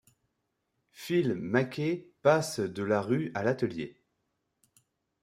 Phil.Macquet passe de la rue à l’atelier.